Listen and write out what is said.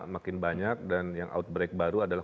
makin banyak dan yang outbreak baru adalah